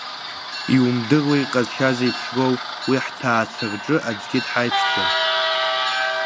Иумдыруеи иҟазшьа зеиԥшроу, уи ҳҭаацәа рҿы аӡәгьы дҳаиԥшӡам…